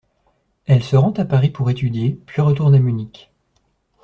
Elle se rend à Paris pour étudier, puis retourne à Munich.